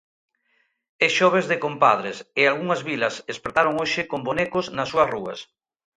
É Xoves de Compadres e algunhas vilas espertaron hoxe con bonecos nas súas rúas.